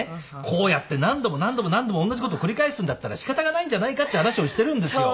こうやって何度も何度も何度もおんなじこと繰り返すんだったらしかたがないんじゃないかって話をしてるんですよ。